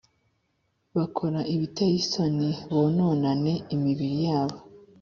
bakora ibiteye isoni bononane imibiri yabo